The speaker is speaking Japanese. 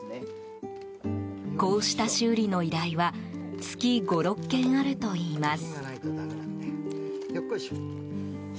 こうした修理の依頼は月５６件あるといいます。